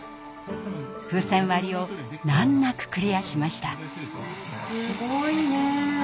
風船割りを難なくクリアしました。